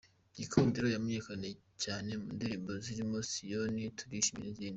Gikundiro yamenyekanye cyane mu ndirimbo zirimo "Siyoni", "Turishimye" n’izindi.